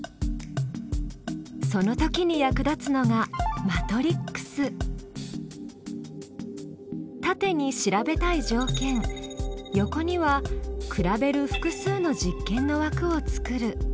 その時に役立つのが縦に調べたい条件横には比べる複数の実験のわくを作る。